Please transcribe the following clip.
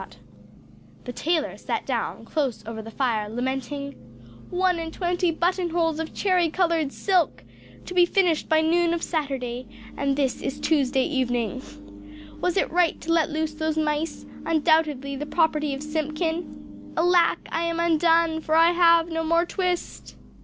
The tailor sat down, close over the fire, lamenting "One and twenty button holes of cherry coloured silk! To be finished by noon of Saturday: and this is Tuesday evening. Was it right to let loose those mice, undoubtedly the property of Simpkin? Alack, I am undone, for I have no more twist!"